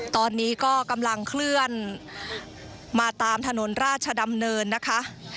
ตอนนี้ก็กำลังเคลื่อนมาตามถนนราชดำเนินนะคะ